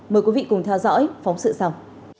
mời quý vị cùng theo dõi phóng sự sau